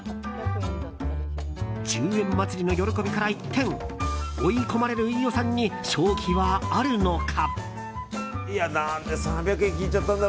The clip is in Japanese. １０円祭りの喜びから一転追い込まれる飯尾さんに勝機はあるのか？